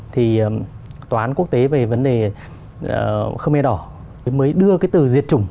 thì tòa án quốc tế về vấn đề khmer đỏ mới đưa cái từ diệt chủng